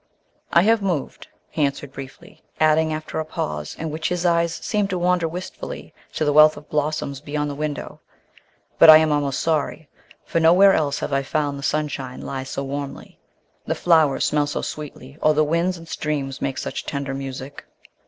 "I have moved," he answered briefly, adding after a pause in which his eyes seemed to wander wistfully to the wealth of blossoms beyond the window; "but I am almost sorry, for nowhere else have I found the sunshine lie so warmly, the flowers smell so sweetly, or the winds and streams make such tender music.